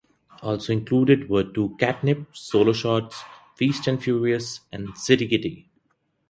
Also included were two Katnip solo shorts, "Feast and Furious" and "City Kitty".